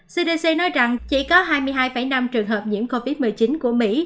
cdc nói rằng chỉ có hai mươi hai năm trường hợp nhiễm covid một mươi chín của mỹ